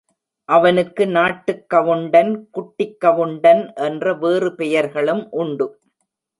அவனுக்கு நாட்டுக் கவுண்டன், குட்டிக் கவுண்டன் என்ற வேறு பெயர்களும் உண்டு.